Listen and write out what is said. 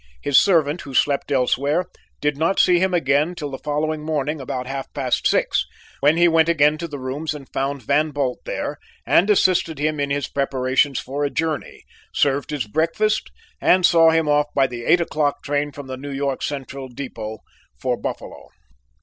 His servant, who slept elsewhere, did not see him again till the following morning about half past six, when he went again to the rooms and found Van Bult there and assisted him in his preparations for a journey, served his breakfast, and saw him off by the eight o'clock train from the New York Central Depot for Buffalo.